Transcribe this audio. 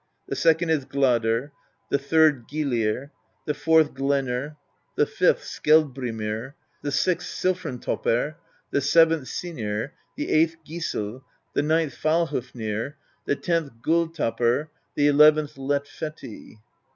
The second is Gladr,^ the third Gyllir,^the fourth Glenr,^ the fifth Skeldbrimir,^ the sixth Silfrintoppr,^ the seventh Sinir,'' the eighth Gisl,^ the ninth Falhofnir,^ the tenth Gulltoppr,^°the eleventh Lettfeti."